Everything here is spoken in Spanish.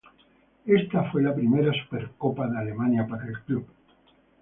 Esta fue la primera Supercopa de Alemania para el club.